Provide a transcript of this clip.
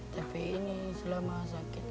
tapi ini selama sakit